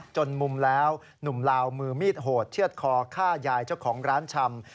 จนมุมแล้วหนุ่มลาวมือมีดโหดเชื่อดคอฆ่ายายเจ้าของร้านชำ